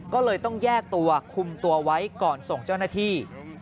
ก็เลยต้องแยกตัวคุมตัวไว้ก่อนส่งเจ้าหน้าที่